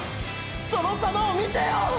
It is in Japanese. その様を見てよ！！